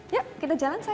yuk kita jalan sayang